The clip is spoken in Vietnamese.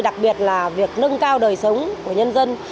đặc biệt là việc nâng cao đời sống của nhân dân